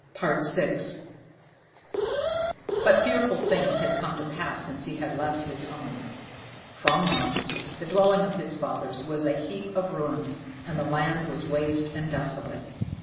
VI But fearful things had come to pass since he had left his home! Framnäas, the dwelling of his fathers, was a heap of ruins, and the land was waste and desolate.